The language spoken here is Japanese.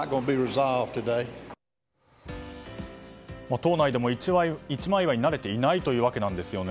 党内でも一枚岩になれていないということですね。